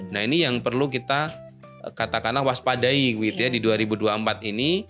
nah ini yang perlu kita katakanlah waspadai gitu ya di dua ribu dua puluh empat ini